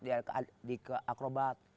di ke akrobat